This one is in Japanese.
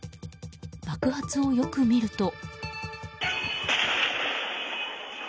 爆発をよく見ると。